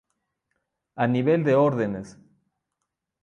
A nivel de órdenes.